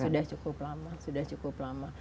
sudah sudah cukup lama